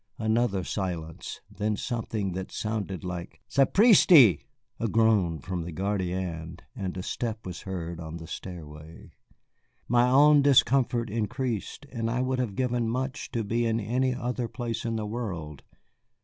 Another silence, then something that sounded like "Sapristi!" a groan from the gardienne, and a step was heard on the stairway. My own discomfort increased, and I would have given much to be in any other place in the world.